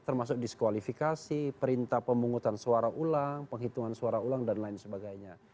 termasuk diskualifikasi perintah pemungutan suara ulang penghitungan suara ulang dan lain sebagainya